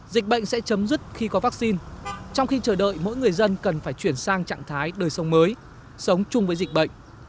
dịch bệnh sẽ chấm dứt khi có vaccine trong khi chờ đợi mỗi người dân cần phải chuyển sang trạng thái đời sống mới sống chung với dịch bệnh